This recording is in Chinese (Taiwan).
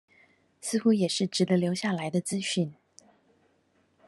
似乎也是值得留下來的資訊